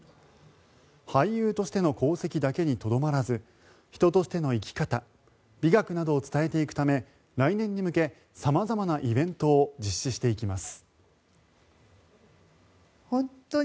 俳優としての功績だけにとどまらず人としての生き方、美学などを伝えていくため来年に向け様々なイベントを実施していきます。